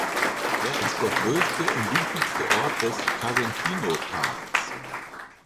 Er ist der größte und wichtigste Ort des Casentino-Tals.